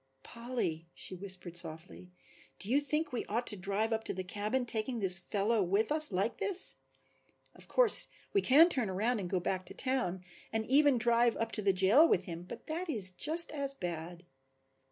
"Polly," she whispered softly, "do you think we ought to drive up to the cabin taking this fellow with us like this? Of course we can turn around and go back to town and even drive up to the jail with him but that is just as bad.